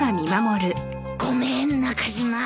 ごめん中島。